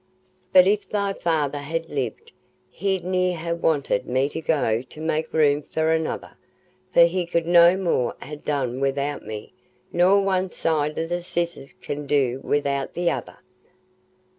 But if thy feyther had lived, he'd ne'er ha' wanted me to go to make room for another, for he could no more ha' done wi'out me nor one side o' the scissars can do wi'out th' other.